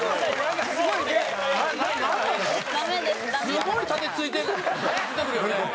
すごい盾突いてくるよね。